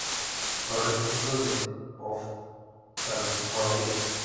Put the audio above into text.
Los requisitos en oftalmología.